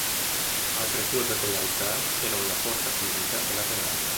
Altre sue peculiarità erano la forza fisica e la tenacia.